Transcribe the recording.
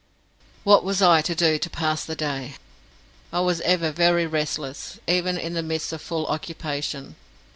What was I to do to pass the day? I was ever very restless, even in the midst of full occupation.